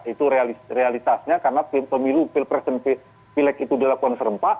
itu realitasnya karena pemilu pilpres dan pileg itu dilakukan serempak